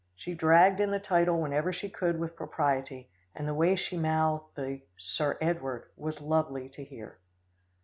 She dragged in the title whenever she could with propriety, and the way she mouthed the "Sir Edward" was lovely to hear.